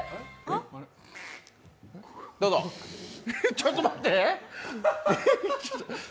ちょっと待って。